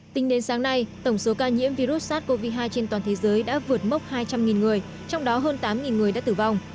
tính đến sáng nay tổng số ca nhiễm virus sars cov hai trên toàn thế giới đã vượt mốc hai trăm linh người trong đó hơn tám người đã tử vong